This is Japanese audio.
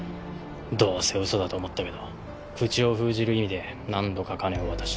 どうせ嘘だと思ったけど口を封じる意味で何度か金を渡した。